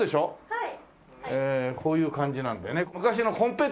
はい。